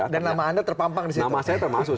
dan nama anda terpampang disitu